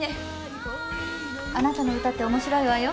あなたの歌って面白いわよ。